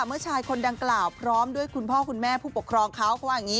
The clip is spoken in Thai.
เมื่อชายคนดังกล่าวพร้อมด้วยคุณพ่อคุณแม่ผู้ปกครองเขา